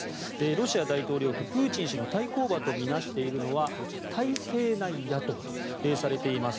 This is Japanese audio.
ロシア大統領府、プーチン氏の対抗馬とみなしているのは体制内野党とされています